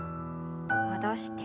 戻して。